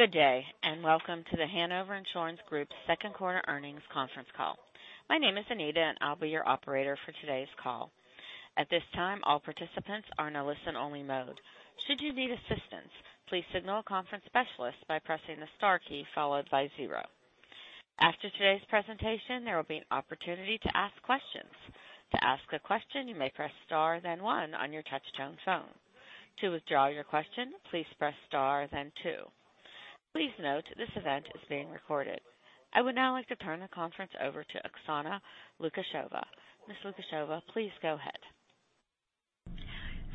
Good day, welcome to The Hanover Insurance Group second quarter earnings conference call. My name is Anita, I'll be your operator for today's call. At this time, all participants are in a listen-only mode. Should you need assistance, please signal a conference specialist by pressing the star key followed by zero. After today's presentation, there will be an opportunity to ask questions. To ask a question, you may press star then one on your touchtone phone. To withdraw your question, please press star then two. Please note this event is being recorded. I would now like to turn the conference over to Oksana Lukasheva. Ms. Lukasheva, please go ahead.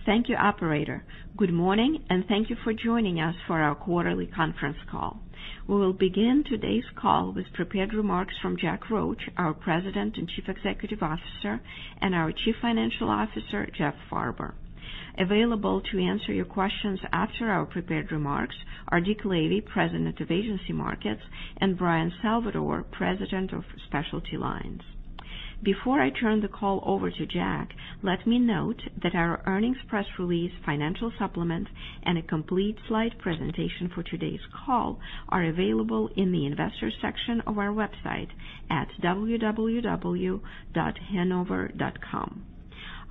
Thank you, operator. Good morning, thank you for joining us for our quarterly conference call. We will begin today's call with prepared remarks from John C. Roche, our President and Chief Executive Officer, and our Chief Financial Officer, Jeffrey M. Farber. Available to answer your questions after our prepared remarks are Richard W. Lavey, President of Agency Markets, and Bryan J. Salvatore, President of Specialty Lines. Before I turn the call over to Jack, let me note that our earnings press release, financial supplement, and a complete slide presentation for today's call are available in the investors section of our website at www.hanover.com.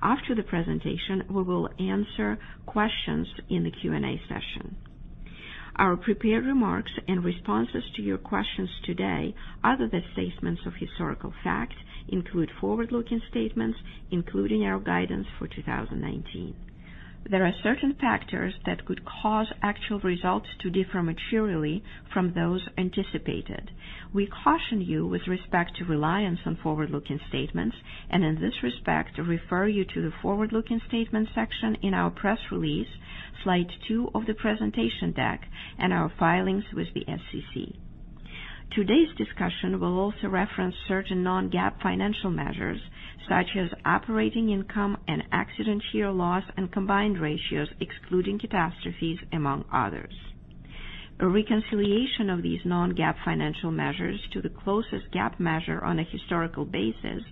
After the presentation, we will answer questions in the Q&A session. Our prepared remarks and responses to your questions today, other than statements of historical fact, include forward-looking statements, including our guidance for 2019. There are certain factors that could cause actual results to differ materially from those anticipated. We caution you with respect to reliance on forward-looking statements, in this respect, refer you to the forward-looking statements section in our press release, slide two of the presentation deck, and our filings with the SEC. Today's discussion will also reference certain non-GAAP financial measures, such as operating income and accident year loss and combined ratios, excluding catastrophes, among others. A reconciliation of these non-GAAP financial measures to the closest GAAP measure on a historical basis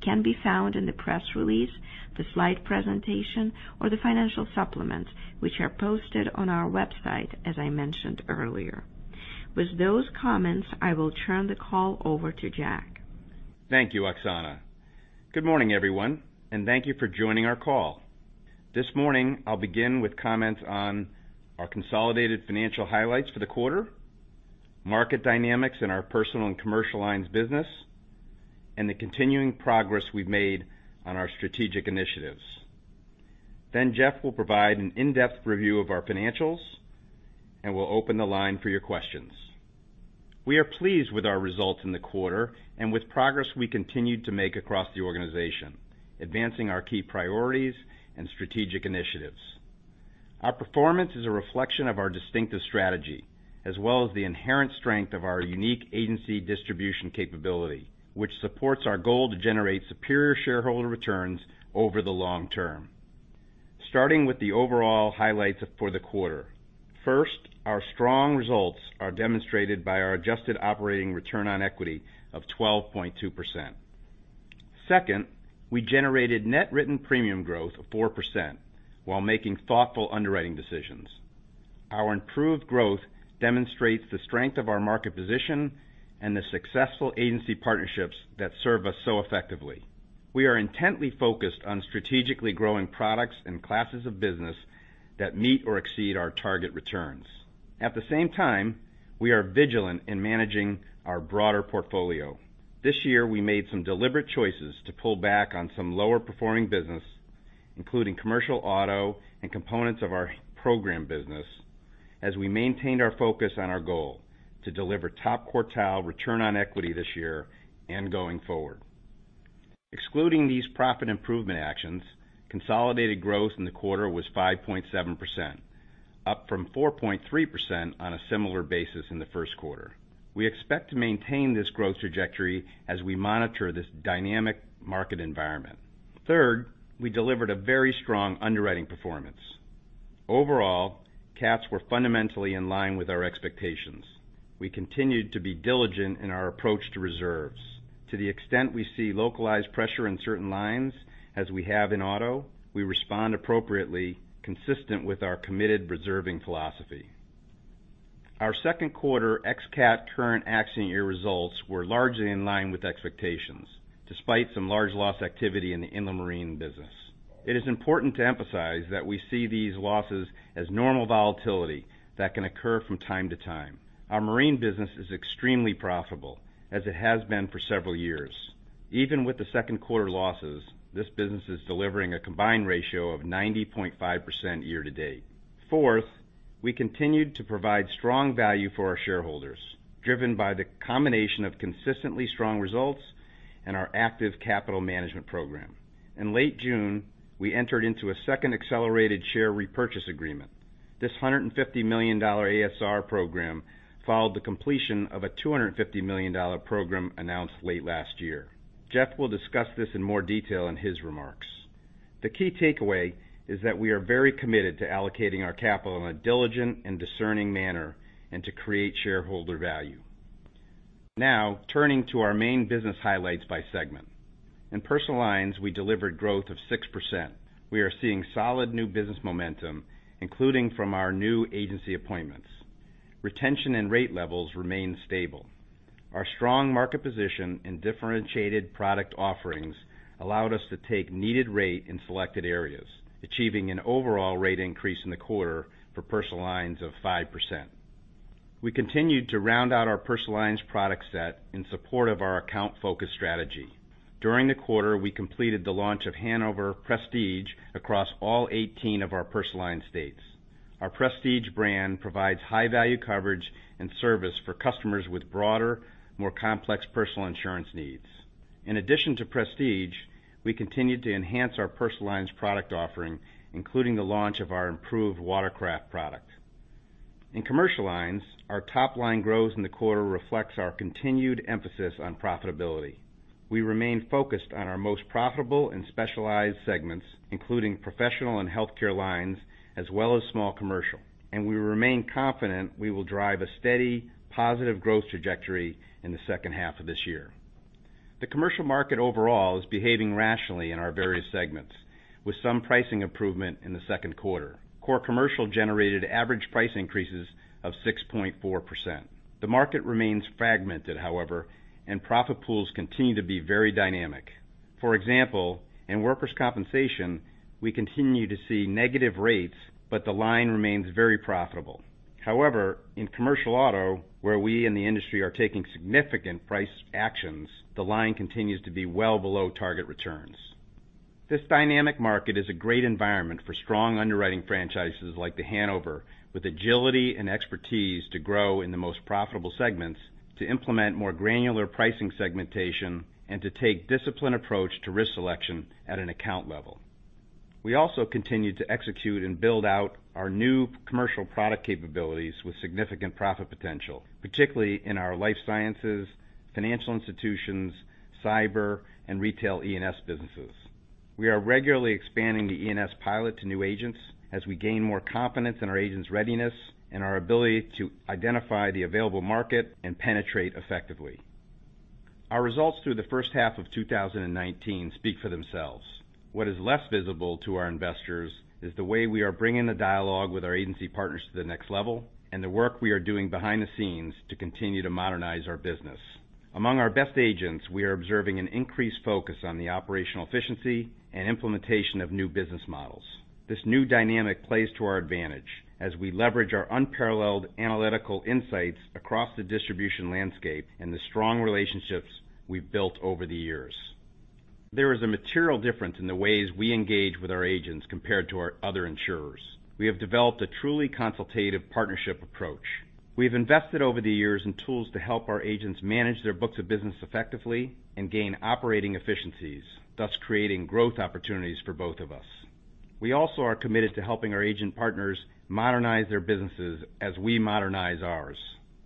can be found in the press release, the slide presentation, or the financial supplements, which are posted on our website, as I mentioned earlier. With those comments, I will turn the call over to Jack. Thank you, Oksana. Good morning, everyone, thank you for joining our call. This morning, I'll begin with comments on our consolidated financial highlights for the quarter, market dynamics in our Personal Lines and Commercial Lines business, the continuing progress we've made on our strategic initiatives. Jeff will provide an in-depth review of our financials, we'll open the line for your questions. We are pleased with our results in the quarter with progress we continued to make across the organization, advancing our key priorities and strategic initiatives. Our performance is a reflection of our distinctive strategy, as well as the inherent strength of our unique agency distribution capability, which supports our goal to generate superior shareholder returns over the long term. Starting with the overall highlights for the quarter. First, our strong results are demonstrated by our adjusted operating return on equity of 12.2%. Second, we generated net written premium growth of 4% while making thoughtful underwriting decisions. Our improved growth demonstrates the strength of our market position and the successful agency partnerships that serve us so effectively. We are intently focused on strategically growing products and classes of business that meet or exceed our target returns. At the same time, we are vigilant in managing our broader portfolio. This year, we made some deliberate choices to pull back on some lower-performing business, including commercial auto and components of our program business, as we maintained our focus on our goal to deliver top-quartile return on equity this year and going forward. Excluding these profit improvement actions, consolidated growth in the quarter was 5.7%, up from 4.3% on a similar basis in the first quarter. We expect to maintain this growth trajectory as we monitor this dynamic market environment. Third, we delivered a very strong underwriting performance. Overall, cats were fundamentally in line with our expectations. We continued to be diligent in our approach to reserves. To the extent we see localized pressure in certain lines, as we have in auto, we respond appropriately, consistent with our committed reserving philosophy. Our second quarter ex-cat current accident year results were largely in line with expectations, despite some large loss activity in the inland marine business. It is important to emphasize that we see these losses as normal volatility that can occur from time to time. Our marine business is extremely profitable, as it has been for several years. Even with the second quarter losses, this business is delivering a combined ratio of 90.5% year to date. Fourth, we continued to provide strong value for our shareholders, driven by the combination of consistently strong results and our active capital management program. In late June, we entered into a second accelerated share repurchase agreement. This $150 million ASR program followed the completion of a $250 million program announced late last year. Jeff will discuss this in more detail in his remarks. The key takeaway is that we are very committed to allocating our capital in a diligent and discerning manner and to create shareholder value. Turning to our main business highlights by segment. In Personal Lines, we delivered growth of 6%. We are seeing solid new business momentum, including from our new agency appointments. Retention and rate levels remain stable. Our strong market position and differentiated product offerings allowed us to take needed rate in selected areas, achieving an overall rate increase in the quarter for Personal Lines of 5%. We continued to round out our Personal Lines product set in support of our account-focused strategy. During the quarter, we completed the launch of Hanover Prestige across all 18 of our Personal Lines states. Our Prestige brand provides high-value coverage and service for customers with broader, more complex personal insurance needs. In addition to Prestige, we continued to enhance our Personal Lines product offering, including the launch of our improved Watercraft product. In Commercial Lines, our top line growth in the quarter reflects our continued emphasis on profitability. We remain focused on our most profitable and specialized segments, including Professional and Healthcare Lines, as well as Small Commercial, and we remain confident we will drive a steady, positive growth trajectory in the second half of this year. The commercial market overall is behaving rationally in our various segments, with some pricing improvement in the second quarter. Core Commercial generated average price increases of 6.4%. The market remains fragmented, however, and profit pools continue to be very dynamic. For example, in workers' compensation, we continue to see negative rates, the line remains very profitable. In commercial auto, where we and the industry are taking significant price actions, the line continues to be well below target returns. This dynamic market is a great environment for strong underwriting franchises like The Hanover, with agility and expertise to grow in the most profitable segments, to implement more granular pricing segmentation, and to take a disciplined approach to risk selection at an account level. We also continued to execute and build out our new commercial product capabilities with significant profit potential, particularly in our life sciences, financial institutions, cyber, and retail E&S businesses. We are regularly expanding the E&S pilot to new agents as we gain more confidence in our agents' readiness and our ability to identify the available market and penetrate effectively. Our results through the first half of 2019 speak for themselves. What is less visible to our investors is the way we are bringing the dialogue with our agency partners to the next level and the work we are doing behind the scenes to continue to modernize our business. Among our best agents, we are observing an increased focus on the operational efficiency and implementation of new business models. This new dynamic plays to our advantage as we leverage our unparalleled analytical insights across the distribution landscape and the strong relationships we've built over the years. There is a material difference in the ways we engage with our agents compared to our other insurers. We have developed a truly consultative partnership approach. We have invested over the years in tools to help our agents manage their books of business effectively and gain operating efficiencies, thus creating growth opportunities for both of us. We are committed to helping our agent partners modernize their businesses as we modernize ours.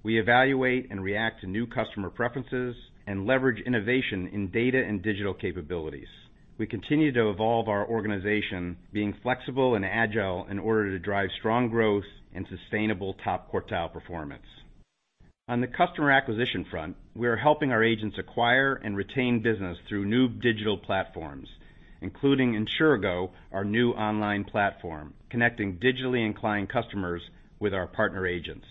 We evaluate and react to new customer preferences and leverage innovation in data and digital capabilities. We continue to evolve our organization, being flexible and agile in order to drive strong growth and sustainable top quartile performance. On the customer acquisition front, we are helping our agents acquire and retain business through new digital platforms, including Insurago, our new online platform, connecting digitally inclined customers with our partner agents.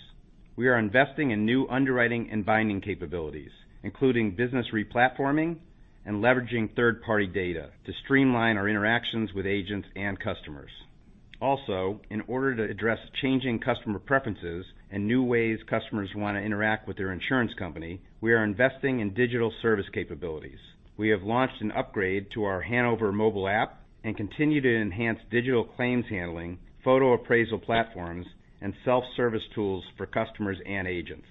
We are investing in new underwriting and binding capabilities, including business replatforming and leveraging third-party data to streamline our interactions with agents and customers. In order to address changing customer preferences and new ways customers want to interact with their insurance company, we are investing in digital service capabilities. We have launched an upgrade to our Hanover Mobile app and continue to enhance digital claims handling, photo appraisal platforms, and self-service tools for customers and agents.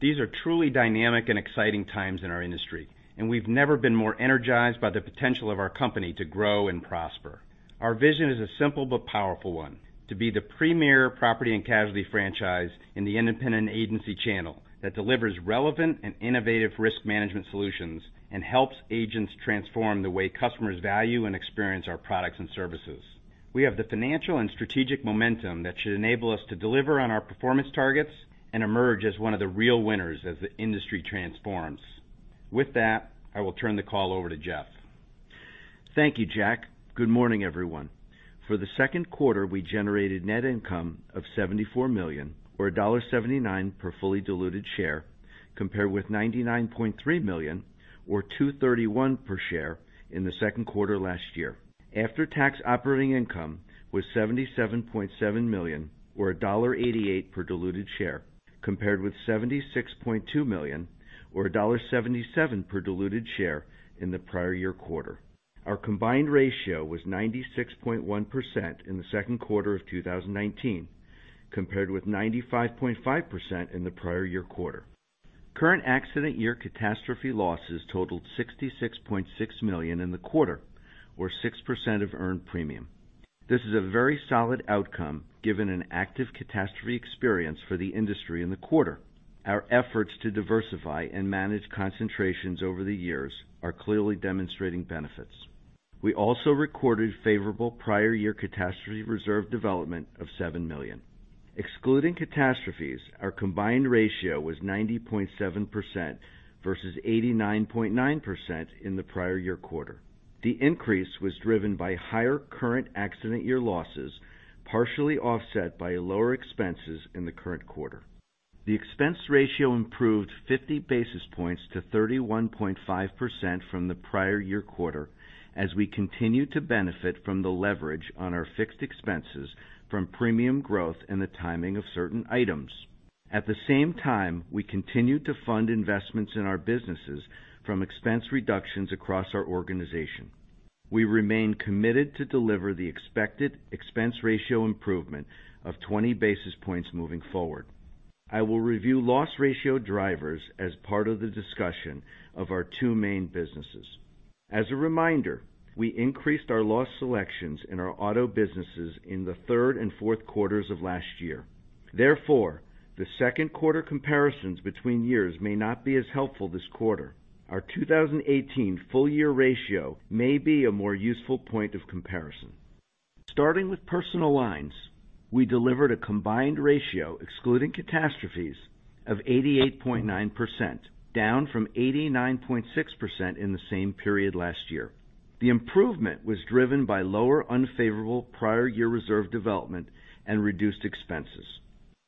These are truly dynamic and exciting times in our industry, we've never been more energized by the potential of our company to grow and prosper. Our vision is a simple but powerful one: to be the premier property and casualty franchise in the independent agency channel that delivers relevant and innovative risk management solutions and helps agents transform the way customers value and experience our products and services. We have the financial and strategic momentum that should enable us to deliver on our performance targets and emerge as one of the real winners as the industry transforms. With that, I will turn the call over to Jeff. Thank you, Jack. Good morning, everyone. For the second quarter, we generated net income of $74 million, or $1.79 per fully diluted share, compared with $99.3 million, or $2.31 per share in the second quarter last year. After-tax operating income was $77.7 million, or $1.88 per diluted share, compared with $76.2 million or $1.77 per diluted share in the prior year quarter. Our combined ratio was 96.1% in the second quarter of 2019, compared with 95.5% in the prior year quarter. Current accident year catastrophe losses totaled $66.6 million in the quarter, or 6% of earned premium. This is a very solid outcome given an active catastrophe experience for the industry in the quarter. Our efforts to diversify and manage concentrations over the years are clearly demonstrating benefits. We also recorded favorable prior year catastrophe reserve development of $7 million. Excluding catastrophes, our combined ratio was 90.7% versus 89.9% in the prior year quarter. The increase was driven by higher current accident year losses, partially offset by lower expenses in the current quarter. The expense ratio improved 50 basis points to 31.5% from the prior year quarter as we continue to benefit from the leverage on our fixed expenses from premium growth and the timing of certain items. At the same time, we continue to fund investments in our businesses from expense reductions across our organization. We remain committed to deliver the expected expense ratio improvement of 20 basis points moving forward. I will review loss ratio drivers as part of the discussion of our two main businesses. As a reminder, we increased our loss selections in our auto businesses in the third and fourth quarters of last year. The second quarter comparisons between years may not be as helpful this quarter. Our 2018 full year ratio may be a more useful point of comparison. Starting with personal lines, we delivered a combined ratio excluding catastrophes of 88.9%, down from 89.6% in the same period last year. The improvement was driven by lower unfavorable prior year reserve development and reduced expenses.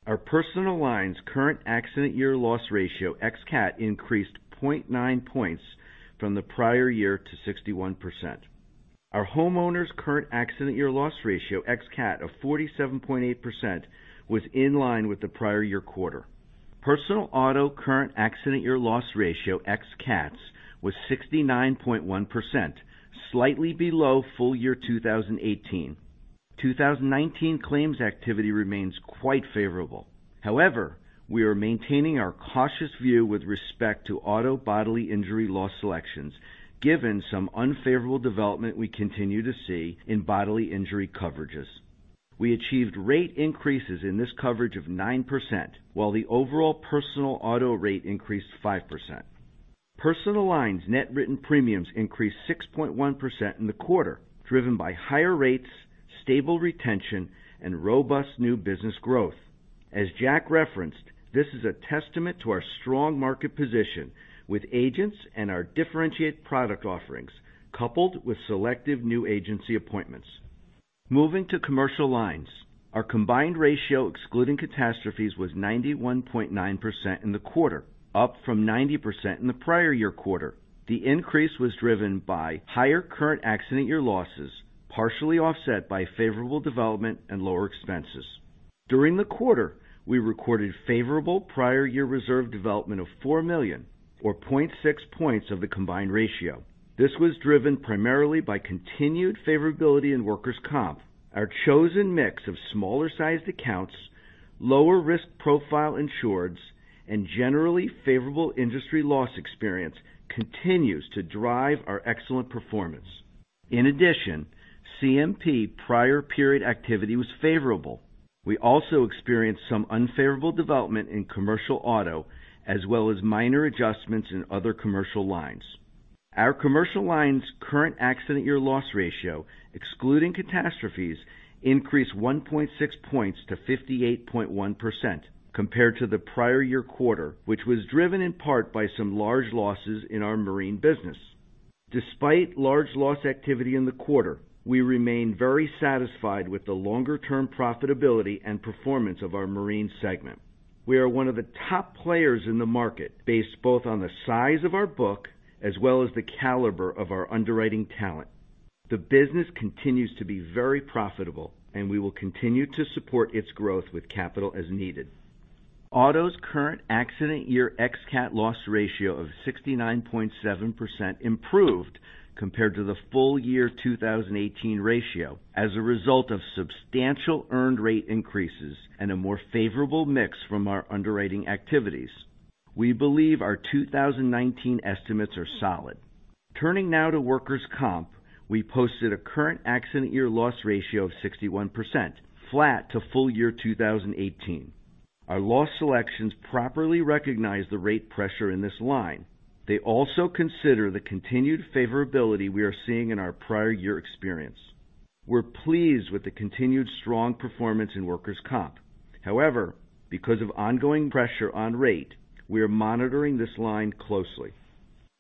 Our personal lines current accident year loss ratio ex cat increased 0.9 points from the prior year to 61%. Our homeowners current accident year loss ratio ex cat of 47.8% was in line with the prior year quarter. Personal auto current accident year loss ratio ex cats was 69.1%, slightly below full year 2018. 2019 claims activity remains quite favorable. We are maintaining our cautious view with respect to auto bodily injury loss selections given some unfavorable development we continue to see in bodily injury coverages. We achieved rate increases in this coverage of 9%, while the overall personal auto rate increased 5%. Personal Lines net written premiums increased 6.1% in the quarter, driven by higher rates, stable retention, and robust new business growth. As Jack referenced, this is a testament to our strong market position with agents and our differentiated product offerings, coupled with selective new agency appointments. Moving to Commercial Lines. Our combined ratio excluding catastrophes was 91.9% in the quarter, up from 90% in the prior year quarter. The increase was driven by higher current accident year losses, partially offset by favorable development and lower expenses. During the quarter, we recorded favorable prior year reserve development of $4 million, or 0.6 points of the combined ratio. This was driven primarily by continued favorability in workers' comp. Our chosen mix of smaller-sized accounts, lower risk profile insureds, and generally favorable industry loss experience continues to drive our excellent performance. In addition, CMP prior period activity was favorable. We also experienced some unfavorable development in commercial auto, as well as minor adjustments in other Commercial Lines. Our Commercial Lines current accident year loss ratio, excluding catastrophes, increased 1.6 points to 58.1% compared to the prior year quarter, which was driven in part by some large losses in our marine business. Despite large loss activity in the quarter, we remain very satisfied with the longer-term profitability and performance of our marine segment. We are one of the top players in the market based both on the size of our book as well as the caliber of our underwriting talent. The business continues to be very profitable and we will continue to support its growth with capital as needed. Auto's current accident year ex cat loss ratio of 69.7% improved compared to the full year 2018 ratio as a result of substantial earned rate increases and a more favorable mix from our underwriting activities. We believe our 2019 estimates are solid. Turning now to workers' comp, we posted a current accident year loss ratio of 61%, flat to full year 2018. Our loss selections properly recognize the rate pressure in this line. They also consider the continued favorability we are seeing in our prior year experience. We're pleased with the continued strong performance in workers' comp. However, because of ongoing pressure on rate, we are monitoring this line closely.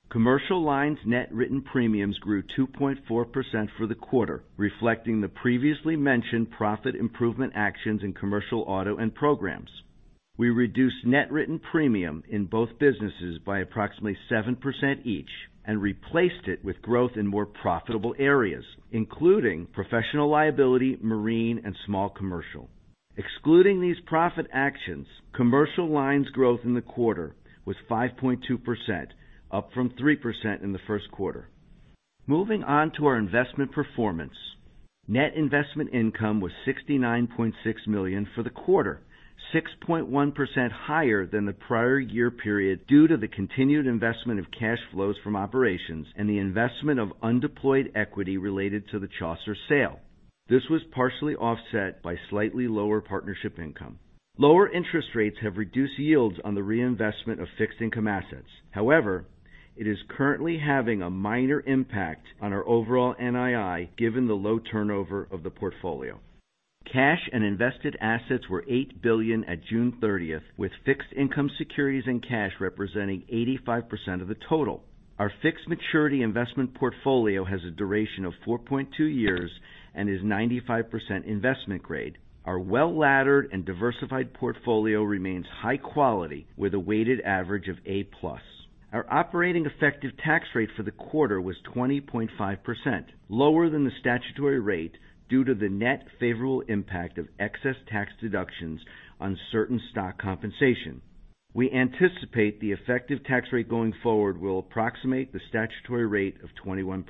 Commercial Lines net written premiums grew 2.4% for the quarter, reflecting the previously mentioned profit improvement actions in commercial auto and programs. We reduced net written premium in both businesses by approximately 7% each and replaced it with growth in more profitable areas, including professional liability, marine, and Small Commercial. Excluding these profit actions, Commercial Lines growth in the quarter was 5.2%, up from 3% in the first quarter. Moving on to our investment performance. Net investment income was $69.6 million for the quarter, 6.1% higher than the prior year period due to the continued investment of cash flows from operations and the investment of undeployed equity related to the Chaucer sale. This was partially offset by slightly lower partnership income. Lower interest rates have reduced yields on the reinvestment of fixed income assets. However, it is currently having a minor impact on our overall NII, given the low turnover of the portfolio. Cash and invested assets were $8 billion at June 30th, with fixed income securities and cash representing 85% of the total. Our fixed maturity investment portfolio has a duration of 4.2 years and is 95% investment grade. Our well-laddered and diversified portfolio remains high quality with a weighted average of A-plus. Our operating effective tax rate for the quarter was 20.5%, lower than the statutory rate due to the net favorable impact of excess tax deductions on certain stock compensation. We anticipate the effective tax rate going forward will approximate the statutory rate of 21%.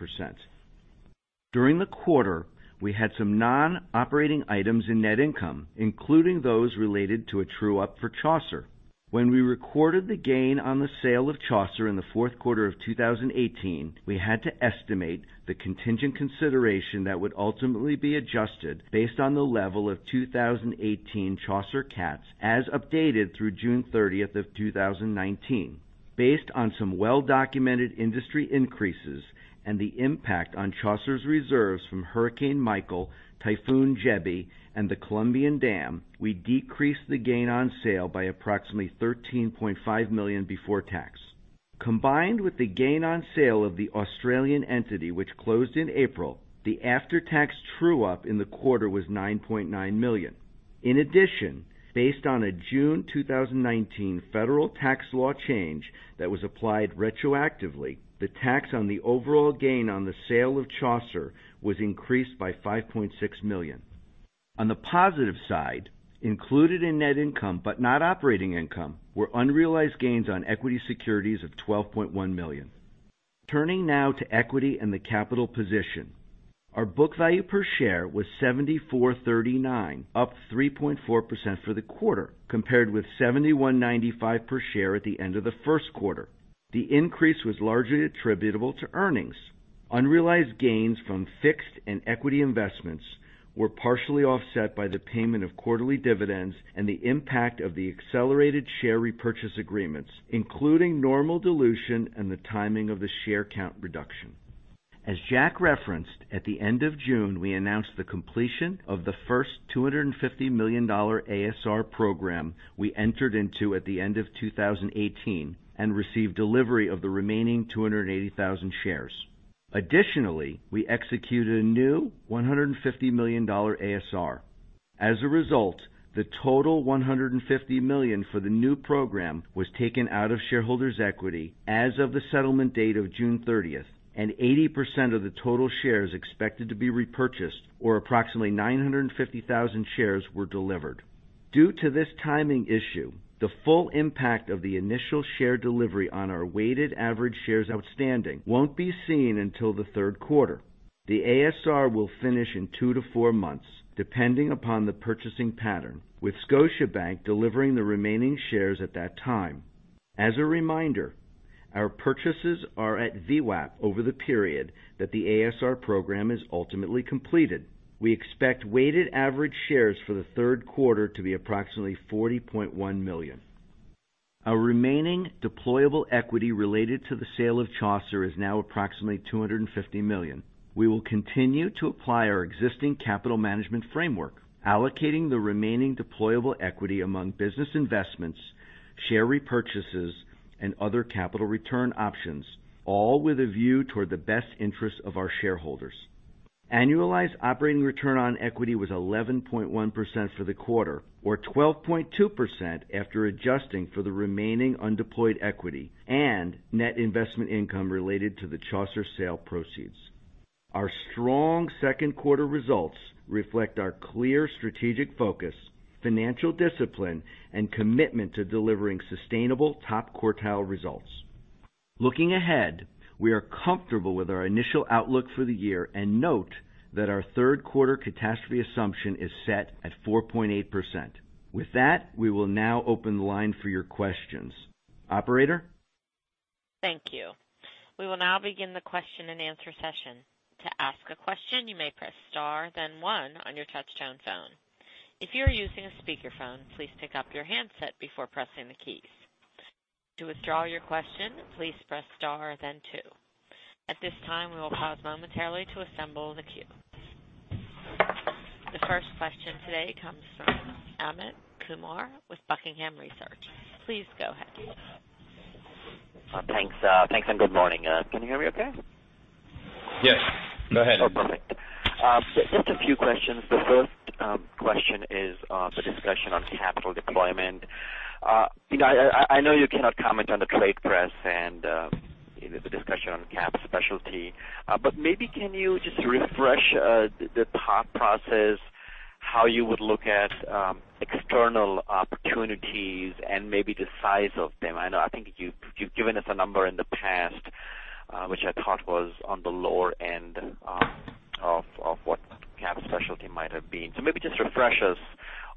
During the quarter, we had some non-operating items in net income, including those related to a true-up for Chaucer. When we recorded the gain on the sale of Chaucer in the fourth quarter of 2018, we had to estimate the contingent consideration that would ultimately be adjusted based on the level of 2018 Chaucer cats as updated through June 30th of 2019. Based on some well-documented industry increases and the impact on Chaucer's reserves from Hurricane Michael, Typhoon Jebi, and the Ituango dam, we decreased the gain on sale by approximately $13.5 million before tax. Combined with the gain on sale of the Australian entity, which closed in April, the after-tax true-up in the quarter was $9.9 million. In addition, based on a June 2019 federal tax law change that was applied retroactively, the tax on the overall gain on the sale of Chaucer was increased by $5.6 million. On the positive side, included in net income, but not operating income, were unrealized gains on equity securities of $12.1 million. Turning now to equity and the capital position. Our book value per share was $74.39, up 3.4% for the quarter, compared with $71.95 per share at the end of the first quarter. The increase was largely attributable to earnings. Unrealized gains from fixed and equity investments were partially offset by the payment of quarterly dividends and the impact of the accelerated share repurchase agreements, including normal dilution and the timing of the share count reduction. As Jack referenced, at the end of June, we announced the completion of the first $250 million ASR program we entered into at the end of 2018 and received delivery of the remaining 280,000 shares. Additionally, we executed a new $150 million ASR. As a result, the total $150 million for the new program was taken out of shareholders' equity as of the settlement date of June 30th, and 80% of the total shares expected to be repurchased, or approximately 950,000 shares, were delivered. Due to this timing issue, the full impact of the initial share delivery on our weighted average shares outstanding won't be seen until the third quarter. The ASR will finish in two to four months, depending upon the purchasing pattern, with Scotiabank delivering the remaining shares at that time. As a reminder, our purchases are at VWAP over the period that the ASR program is ultimately completed. We expect weighted average shares for the third quarter to be approximately 40.1 million. Our remaining deployable equity related to the sale of Chaucer is now approximately $250 million. We will continue to apply our existing capital management framework, allocating the remaining deployable equity among business investments, share repurchases, and other capital return options, all with a view toward the best interest of our shareholders. Annualized operating return on equity was 11.1% for the quarter, or 12.2% after adjusting for the remaining undeployed equity and net investment income related to the Chaucer sale proceeds. Our strong second quarter results reflect our clear strategic focus, financial discipline, and commitment to delivering sustainable top-quartile results. Looking ahead, we are comfortable with our initial outlook for the year and note that our third quarter catastrophe assumption is set at 4.8%. With that, we will now open the line for your questions. Operator? Thank you. We will now begin the question and answer session. To ask a question, you may press star then one on your touchtone phone. If you are using a speakerphone, please pick up your handset before pressing the keys. To withdraw your question, please press star then two. At this time, we will pause momentarily to assemble the queue. The first question today comes from Amit Kumar with Buckingham Research. Please go ahead. Thanks, and good morning. Can you hear me okay? Yes. Go ahead. Perfect. Just a few questions. The first question is the discussion on capital deployment. I know you cannot comment on the trade press and the discussion on CapSpecialty, but maybe can you just refresh the thought process, how you would look at external opportunities and maybe the size of them? I know I think you've given us a number in the past, which I thought was on the lower end of what CapSpecialty might have been. Maybe just refresh us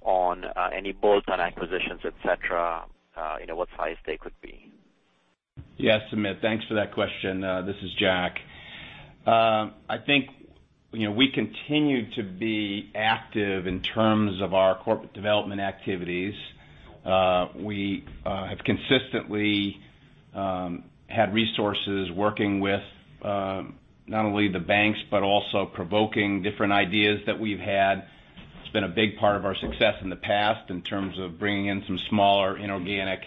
on any bolt-on acquisitions, et cetera, what size they could be. Yes, Amit, thanks for that question. This is Jack. I think we continue to be active in terms of our corporate development activities. We have consistently had resources working with not only the banks but also provoking different ideas that we've had. It's been a big part of our success in the past in terms of bringing in some smaller inorganic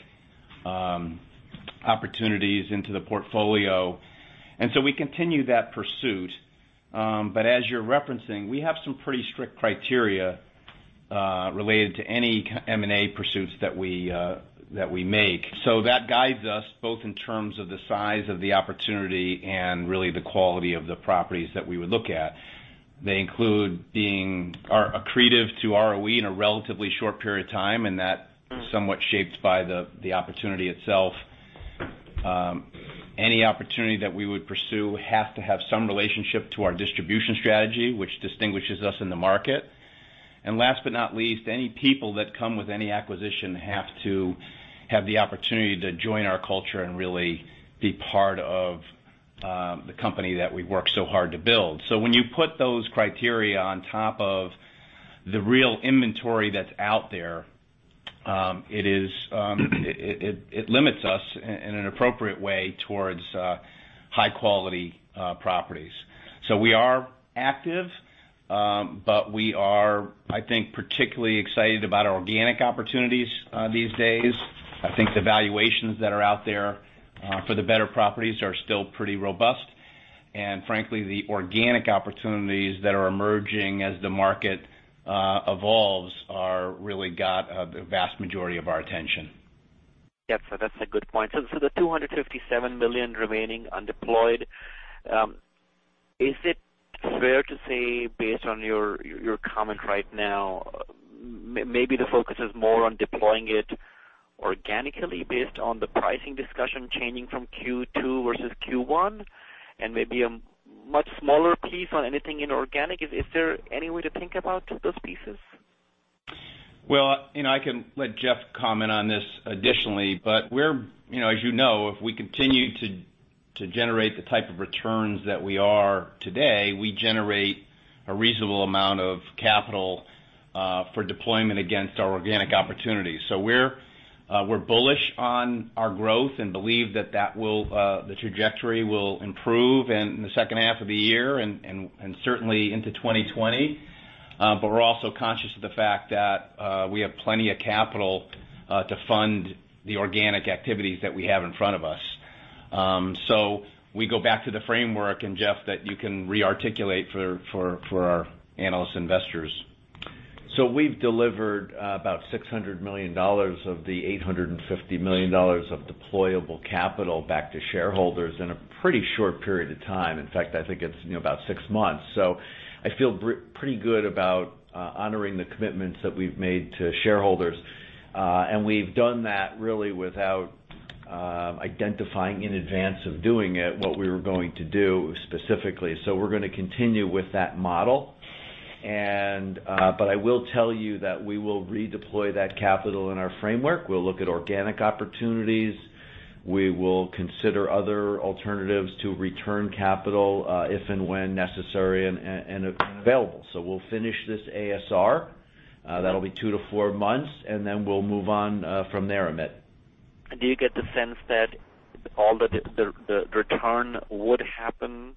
opportunities into the portfolio. We continue that pursuit. As you're referencing, we have some pretty strict criteria related to any M&A pursuits that we make. That guides us both in terms of the size of the opportunity and really the quality of the properties that we would look at. They include being accretive to ROE in a relatively short period of time, and that is somewhat shaped by the opportunity itself. Any opportunity that we would pursue has to have some relationship to our distribution strategy, which distinguishes us in the market. Last but not least, any people that come with any acquisition have to have the opportunity to join our culture and really be part of the company that we've worked so hard to build. When you put those criteria on top of the real inventory that's out there, it limits us in an appropriate way towards high-quality properties. We are active, but we are, I think, particularly excited about our organic opportunities these days. I think the valuations that are out there for the better properties are still pretty robust, and frankly, the organic opportunities that are emerging as the market evolves have really got the vast majority of our attention. Yes, that's a good point. The $257 million remaining undeployed, is it fair to say, based on your comment right now, maybe the focus is more on deploying it organically based on the pricing discussion changing from Q2 versus Q1, and maybe a much smaller piece on anything inorganic? Is there any way to think about those pieces? I can let Jeff comment on this additionally. As you know, if we continue to generate the type of returns that we are today, we generate a reasonable amount of capital for deployment against our organic opportunities. We're bullish on our growth and believe that the trajectory will improve in the second half of the year and certainly into 2020. We're also conscious of the fact that we have plenty of capital to fund the organic activities that we have in front of us. We go back to the framework, and Jeff, that you can re-articulate for our analyst investors. We've delivered about $600 million of the $850 million of deployable capital back to shareholders in a pretty short period of time. In fact, I think it's about six months. I feel pretty good about honoring the commitments that we've made to shareholders. We've done that really without identifying in advance of doing it what we were going to do specifically. We're going to continue with that model. I will tell you that we will redeploy that capital in our framework. We'll look at organic opportunities. We will consider other alternatives to return capital if and when necessary and available. We'll finish this ASR. That'll be two to four months, and then we'll move on from there, Amit. Do you get the sense that all the return would happen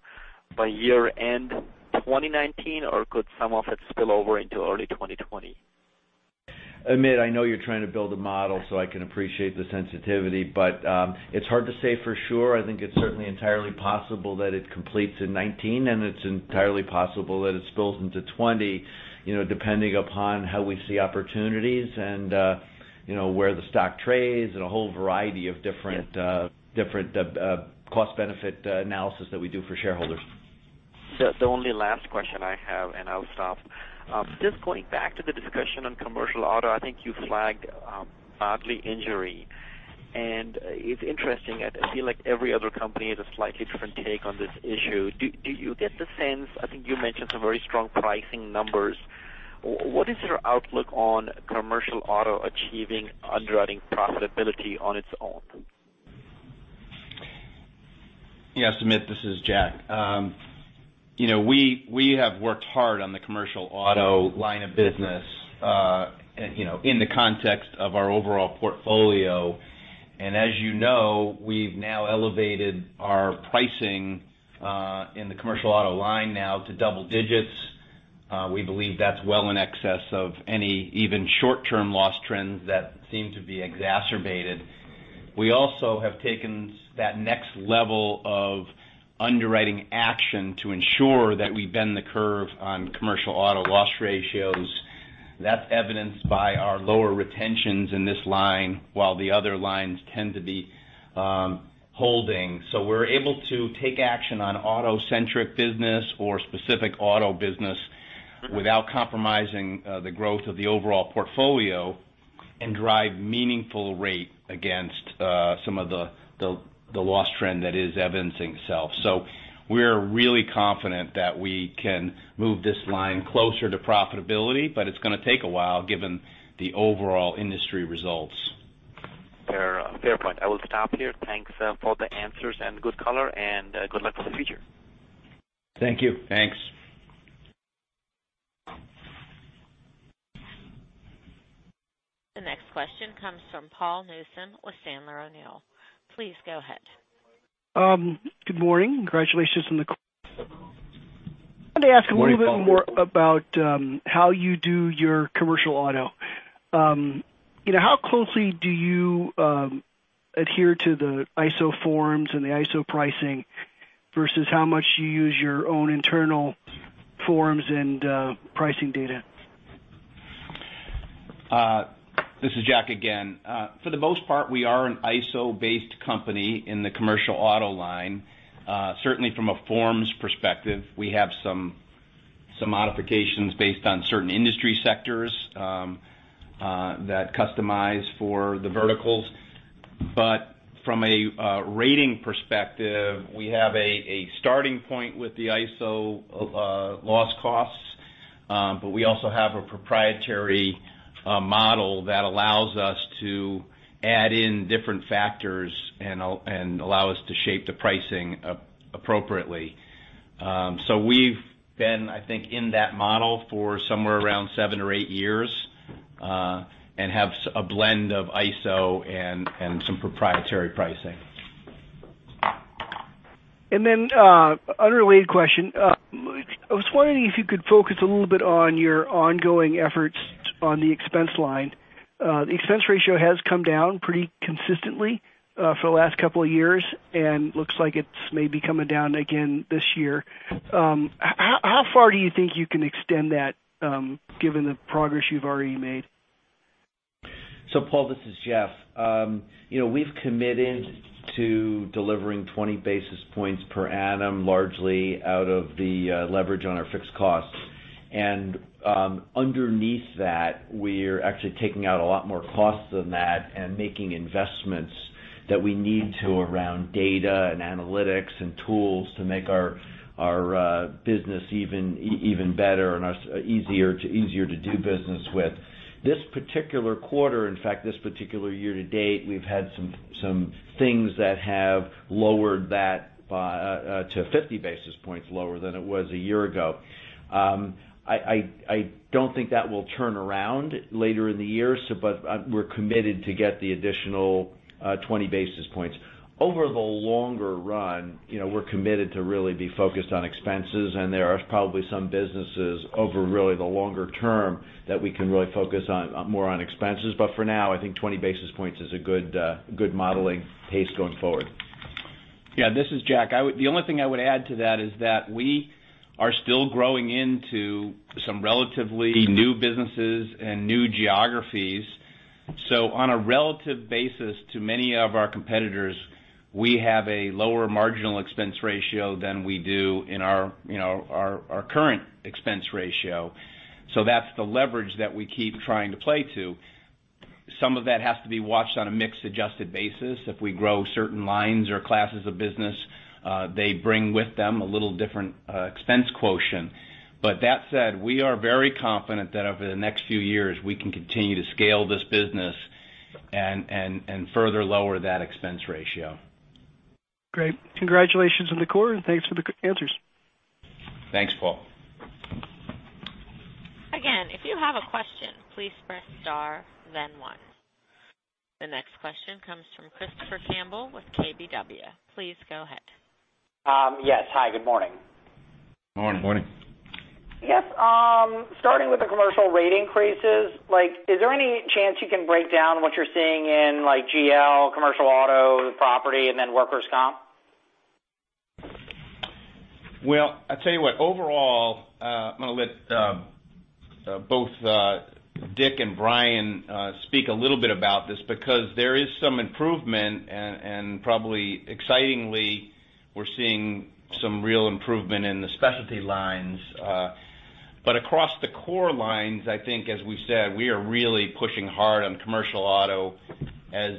by year-end 2019, or could some of it spill over into early 2020? Amit, I know you're trying to build a model, I can appreciate the sensitivity, it's hard to say for sure. I think it's certainly entirely possible that it completes in 2019, and it's entirely possible that it spills into 2020, depending upon how we see opportunities and where the stock trades and a whole variety of different cost-benefit analysis that we do for shareholders. The only last question I have, I'll stop. Just going back to the discussion on commercial auto, I think you flagged bodily injury, and it's interesting. I feel like every other company has a slightly different take on this issue. Do you get the sense? I think you mentioned some very strong pricing numbers. What is your outlook on commercial auto achieving underwriting profitability on its own? Yes, Amit, this is Jack. We have worked hard on the commercial auto line of business in the context of our overall portfolio. As you know, we've now elevated our pricing in the commercial auto line now to double digits. We believe that's well in excess of any even short-term loss trends that seem to be exacerbated. We also have taken that next level of underwriting action to ensure that we bend the curve on commercial auto loss ratios. That's evidenced by our lower retentions in this line, while the other lines tend to be holding. We're able to take action on auto-centric business or specific auto business without compromising the growth of the overall portfolio and drive meaningful rate against some of the loss trend that is evidencing itself. We're really confident that we can move this line closer to profitability, but it's going to take a while given the overall industry results. Fair point. I will stop here. Thanks for the answers and good color and good luck for the future. Thank you. Thanks. The next question comes from Paul Newsome with Sandler O'Neill. Please go ahead. Good morning. Congratulations on the quarter. Good morning, Paul. I wanted to ask a little bit more about how you do your commercial auto. How closely do you adhere to the ISO forms and the ISO pricing versus how much you use your own internal forms and pricing data? This is Jack again. For the most part, we are an ISO-based company in the commercial auto line. Certainly, from a forms perspective, we have some modifications based on certain industry sectors that customize for the verticals. From a rating perspective, we have a starting point with the ISO loss costs, but we also have a proprietary model that allows us to add in different factors and allow us to shape the pricing appropriately. We've been, I think, in that model for somewhere around seven or eight years, and have a blend of ISO and some proprietary pricing. Unrelated question. I was wondering if you could focus a little bit on your ongoing efforts on the expense line. The expense ratio has come down pretty consistently for the last couple of years and looks like it's maybe coming down again this year. How far do you think you can extend that, given the progress you've already made? Paul, this is Jeff. We've committed to delivering 20 basis points per annum, largely out of the leverage on our fixed costs. Underneath that, we're actually taking out a lot more costs than that and making investments that we need to around data and analytics and tools to make our business even better and easier to do business with. This particular quarter, in fact, this particular year to date, we've had some things that have lowered that to 50 basis points lower than it was a year ago. I don't think that will turn around later in the year, but we're committed to get the additional 20 basis points. Over the longer run, we're committed to really be focused on expenses, and there are probably some businesses over really the longer term that we can really focus more on expenses. For now, I think 20 basis points is a good modeling pace going forward. Yeah, this is Jack. The only thing I would add to that is that we are still growing into some relatively new businesses and new geographies. On a relative basis to many of our competitors, we have a lower marginal expense ratio than we do in our current expense ratio. That's the leverage that we keep trying to play to. Some of that has to be watched on a mixed-adjusted basis. If we grow certain lines or classes of business, they bring with them a little different expense quotient. That said, we are very confident that over the next few years, we can continue to scale this business and further lower that expense ratio. Great. Congratulations on the quarter, thanks for the answers. Thanks, Paul. Again, if you have a question, please press star, then one. The next question comes from Christopher Campbell with KBW. Please go ahead. Yes. Hi, good morning. Morning. Morning. Yes. Starting with the commercial rate increases, is there any chance you can break down what you're seeing in GL, commercial auto, property, and then workers' comp? Well, I tell you what. Overall, I'm going to let both Dick and Bryan speak a little bit about this because there is some improvement, and probably excitingly, we're seeing some real improvement in the Specialty Lines. Across the core lines, I think as we've said, we are really pushing hard on commercial auto as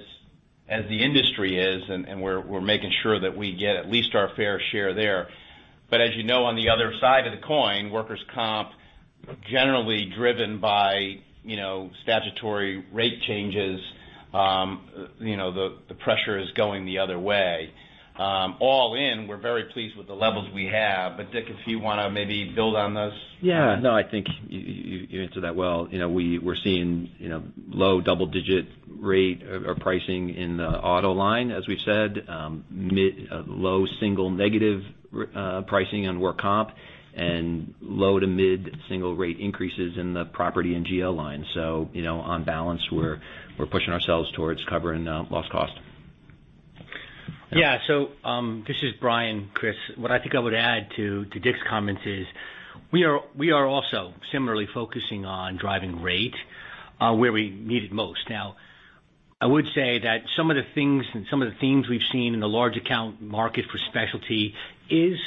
the industry is, and we're making sure that we get at least our fair share there. As you know, on the other side of the coin, workers' comp, generally driven by statutory rate changes, the pressure is going the other way. All in, we're very pleased with the levels we have. Dick, if you want to maybe build on those. No, I think you answered that well. We're seeing low double-digit rate or pricing in the auto line, as we've said. Low single negative pricing on workers' comp and low to mid-single rate increases in the property and GL line. On balance, we're pushing ourselves towards covering loss cost. This is Bryan. Chris, what I think I would add to Dick's comments is we are also similarly focusing on driving rate where we need it most. Now, I would say that some of the things and some of the themes we've seen in the large account market for Specialty is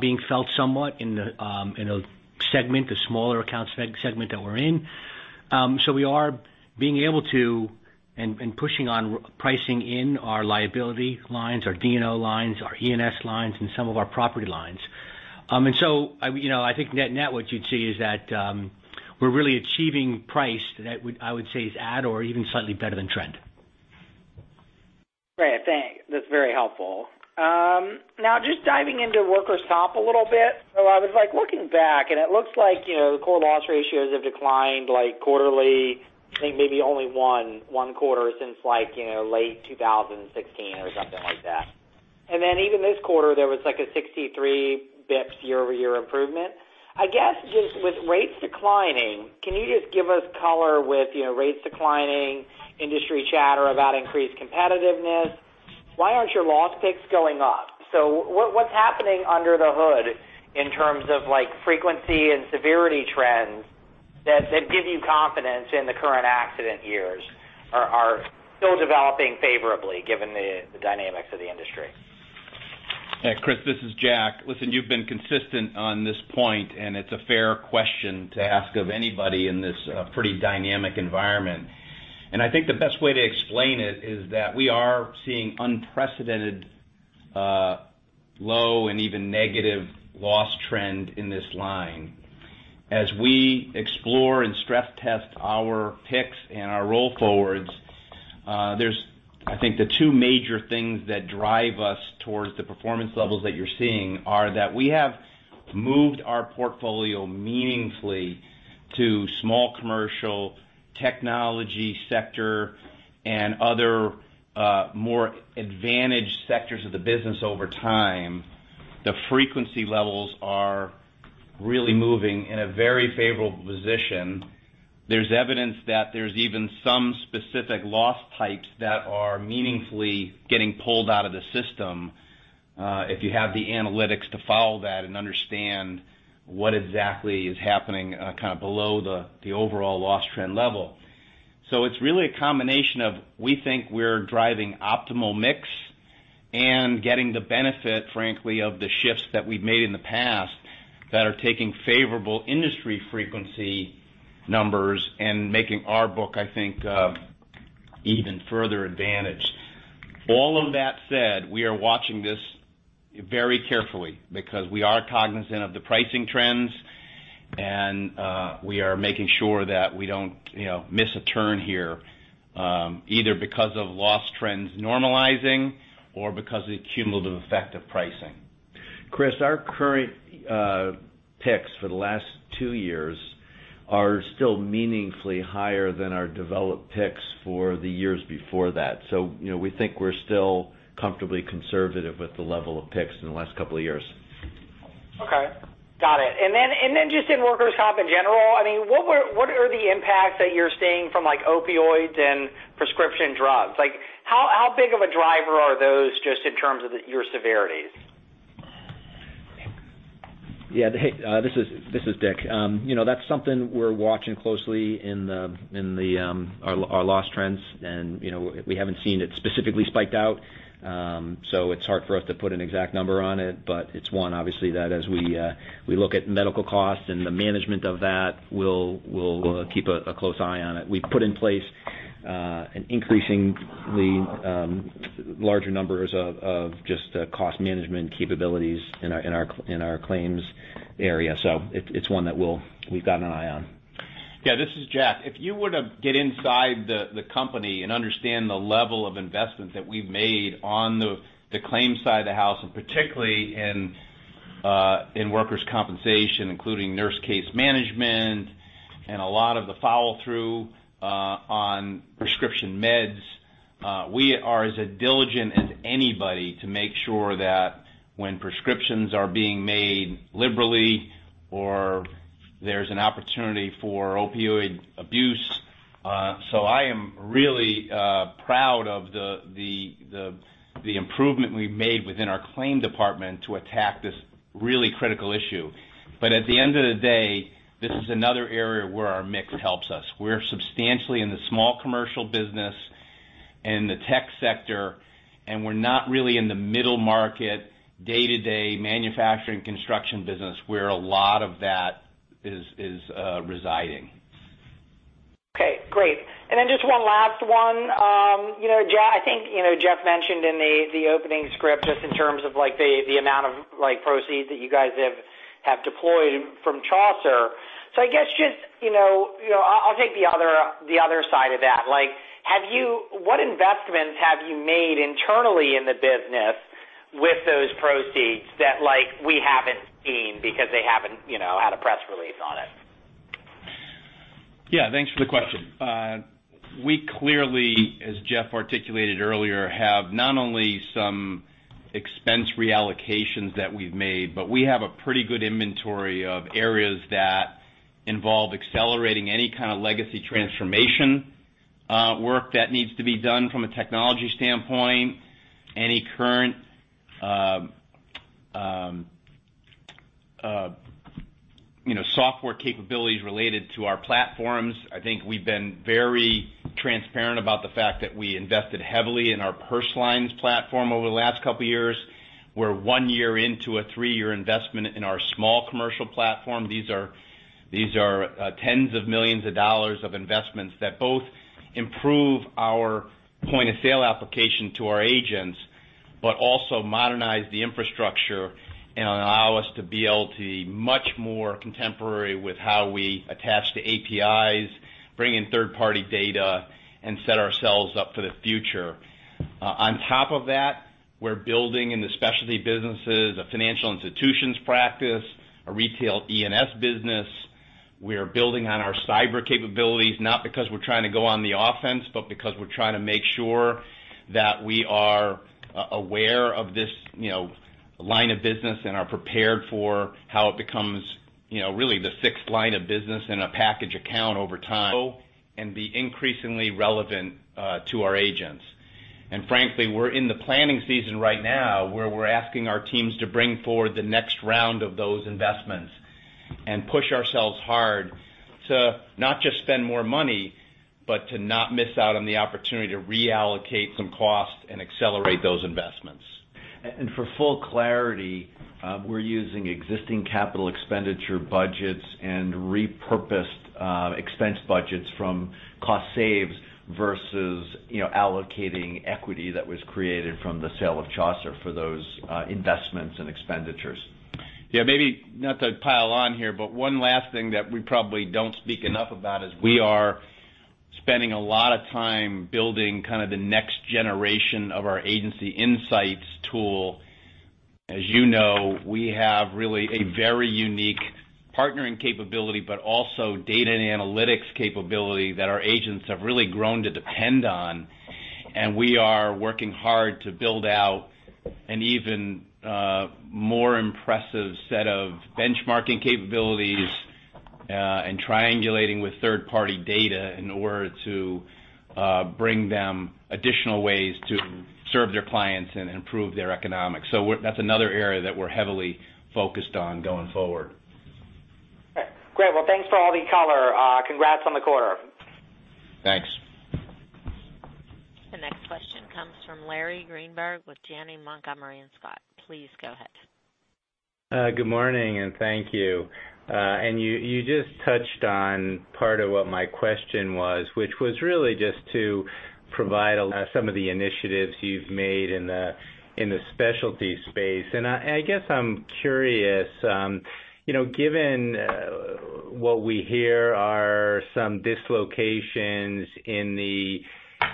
being felt somewhat in the segment, the smaller account segment that we're in. We are being able to, and pushing on pricing in our liability lines, our D&O lines, our E&S lines, and some of our property lines. I think net what you'd see is that we're really achieving price that I would say is at or even slightly better than trend. Great. Thanks. That's very helpful. Now just diving into workers' comp a little bit. I was looking back and it looks like the core loss ratios have declined quarterly, I think maybe only one quarter since late 2016 or something like that. Even this quarter, there was like a 63 basis points year-over-year improvement. I guess, just with rates declining, can you just give us color with rates declining, industry chatter about increased competitiveness. Why aren't your loss picks going up? What's happening under the hood in terms of frequency and severity trends that give you confidence in the current accident years are still developing favorably given the dynamics of the industry? Chris, this is Jack. Listen, you've been consistent on this point, and it's a fair question to ask of anybody in this pretty dynamic environment. I think the best way to explain it is that we are seeing unprecedented low and even negative loss trend in this line. As we explore and stress test our picks and our roll forwards, I think the two major things that drive us towards the performance levels that you're seeing are that we have moved our portfolio meaningfully to Small Commercial technology sector and other more advantaged sectors of the business over time. The frequency levels are really moving in a very favorable position. There's evidence that there's even some specific loss types that are meaningfully getting pulled out of the system, if you have the analytics to follow that and understand what exactly is happening below the overall loss trend level. It's really a combination of, we think we're driving optimal mix and getting the benefit, frankly, of the shifts that we've made in the past that are taking favorable industry frequency numbers and making our book, I think, even further advantage. All of that said, we are watching this very carefully because we are cognizant of the pricing trends and we are making sure that we don't miss a turn here, either because of loss trends normalizing or because of the cumulative effect of pricing. Chris, our current picks for the last two years are still meaningfully higher than our developed picks for the years before that. We think we're still comfortably conservative with the level of picks in the last couple of years. Okay. Got it. Just in workers' comp in general, what are the impacts that you're seeing from opioids and prescription drugs? How big of a driver are those just in terms of your severities? Yeah. This is Dick. That's something we're watching closely in our loss trends, and we haven't seen it specifically spiked out. It's hard for us to put an exact number on it, but it's one, obviously, that as we look at medical costs and the management of that, we'll keep a close eye on it. We've put in place increasingly larger numbers of just cost management capabilities in our claims area. It's one that we've got an eye on. This is Jack. If you were to get inside the company and understand the level of investment that we've made on the claims side of the house, and particularly in workers' compensation, including nurse case management and a lot of the follow-through on prescription meds, we are as diligent as anybody to make sure that when prescriptions are being made liberally or there's an opportunity for opioid abuse. I am really proud of the improvement we've made within our claim department to attack this really critical issue. At the end of the day, this is another area where our mix helps us. We're substantially in the small commercial business and the tech sector, and we're not really in the middle market, day-to-day manufacturing, construction business, where a lot of that is residing. Okay, great. Then just one last one. I think Jeff mentioned in the opening script, just in terms of the amount of proceeds that you guys have deployed from Chaucer. I guess just, I'll take the other side of that. What investments have you made internally in the business with those proceeds that we haven't seen because they haven't had a press release on it? Thanks for the question. We clearly, as Jeff articulated earlier, have not only some expense reallocations that we've made, but we have a pretty good inventory of areas that involve accelerating any kind of legacy transformation work that needs to be done from a technology standpoint, any current software capabilities related to our platforms. I think we've been very transparent about the fact that we invested heavily in our personal lines platform over the last couple of years. We're one year into a three-year investment in our small commercial platform. These are tens of millions of dollars of investments that both improve our point-of-sale application to our agents. Also modernize the infrastructure and allow us to be able to be much more contemporary with how we attach to APIs, bring in third-party data, and set ourselves up for the future. On top of that, we're building in the specialty businesses, a financial institutions practice, a retail E&S business. We are building on our cyber capabilities, not because we're trying to go on the offense, but because we're trying to make sure that we are aware of this line of business and are prepared for how it becomes really the sixth line of business in a package account over time. Be increasingly relevant to our agents. Frankly, we're in the planning season right now where we're asking our teams to bring forward the next round of those investments and push ourselves hard to not just spend more money, but to not miss out on the opportunity to reallocate some costs and accelerate those investments. For full clarity, we're using existing capital expenditure budgets and repurposed expense budgets from cost saves versus allocating equity that was created from the sale of Chaucer for those investments and expenditures. Maybe not to pile on here, but one last thing that we probably don't speak enough about is we are spending a lot of time building kind of the next generation of our agency insights tool. As you know, we have really a very unique partnering capability, but also data and analytics capability that our agents have really grown to depend on. We are working hard to build out an even more impressive set of benchmarking capabilities, and triangulating with third-party data in order to bring them additional ways to serve their clients and improve their economics. That's another area that we're heavily focused on going forward. Great. Well, thanks for all the color. Congrats on the quarter. Thanks. The next question comes from Larry Greenberg with Janney Montgomery Scott. Please go ahead. Good morning, and thank you. You just touched on part of what my question was, which was really just to provide some of the initiatives you've made in the specialty space. I guess I'm curious, given what we hear are some dislocations in the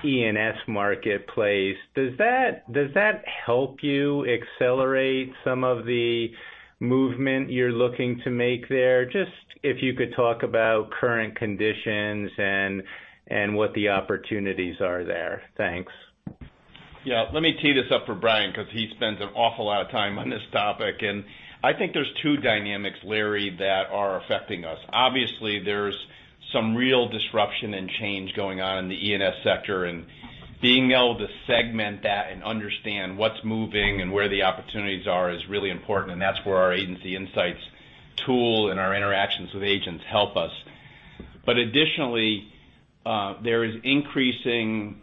E&S marketplace, does that help you accelerate some of the movement you're looking to make there? Just if you could talk about current conditions and what the opportunities are there. Thanks. Yeah. Let me tee this up for Bryan, because he spends an awful lot of time on this topic, and I think there's two dynamics, Larry, that are affecting us. Obviously, there's some real disruption and change going on in the E&S sector, and being able to segment that and understand what's moving and where the opportunities are is really important, and that's where our agency insights tool and our interactions with agents help us. Additionally, there is increasing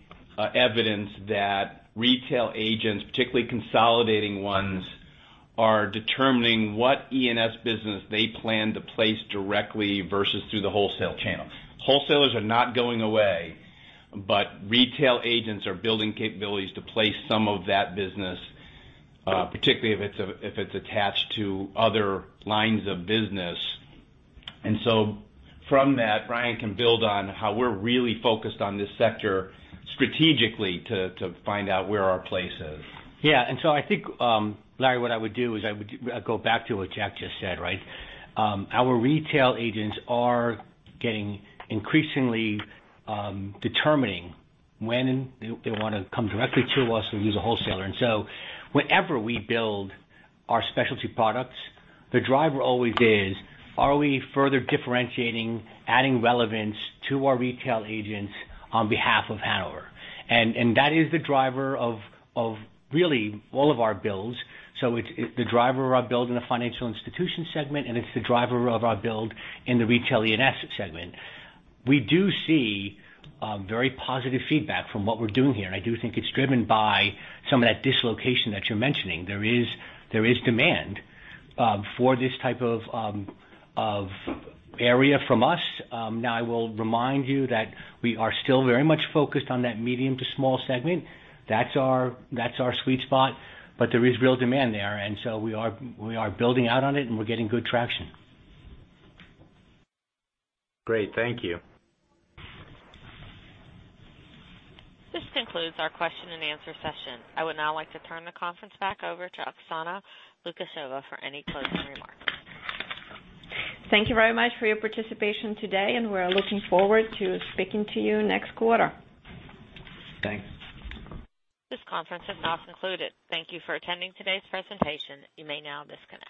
evidence that retail agents, particularly consolidating ones, are determining what E&S business they plan to place directly versus through the wholesale channel. Wholesalers are not going away, but retail agents are building capabilities to place some of that business, particularly if it's attached to other lines of business. From that, Bryan can build on how we're really focused on this sector strategically to find out where our place is. Yeah. I think, Larry, what I would do is I would go back to what Jack just said. Our retail agents are getting increasingly determining when they want to come directly to us or use a wholesaler. Whenever we build our specialty products, the driver always is, are we further differentiating, adding relevance to our retail agents on behalf of Hanover? That is the driver of really all of our builds. It's the driver of our build in the financial institution segment, and it's the driver of our build in the retail E&S segment. We do see very positive feedback from what we're doing here, and I do think it's driven by some of that dislocation that you're mentioning. There is demand for this type of area from us. Now, I will remind you that we are still very much focused on that medium to small segment. That's our sweet spot, but there is real demand there, and so we are building out on it and we're getting good traction. Great. Thank you. This concludes our question and answer session. I would now like to turn the conference back over to Oksana Lukasheva for any closing remarks. Thank you very much for your participation today, and we're looking forward to speaking to you next quarter. Thanks. This conference has now concluded. Thank you for attending today's presentation. You may now disconnect.